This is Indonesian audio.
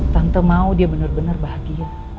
tante mau dia bener bener bahagia